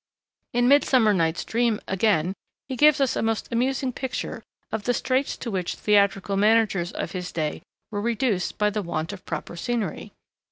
In the Midsummer Night's Dream, again, he gives us a most amusing picture of the straits to which theatrical managers of his day were reduced by the want of proper scenery.